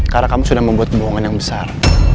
karena kamu sudah membuat bohongan yang besar